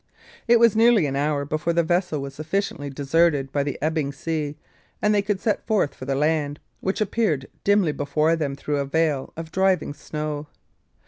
It was nearly an hour before the vessel was sufficiently deserted by the ebbing sea; and they could set forth for the land, which appeared dimly before them through a veil of driving snow.